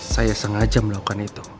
saya sengaja melakukan itu